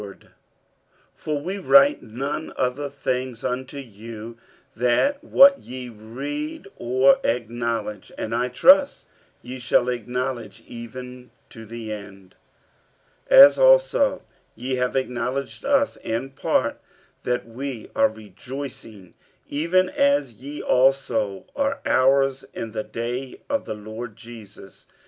47:001:013 For we write none other things unto you, than what ye read or acknowledge; and I trust ye shall acknowledge even to the end; 47:001:014 As also ye have acknowledged us in part, that we are your rejoicing, even as ye also are our's in the day of the Lord Jesus.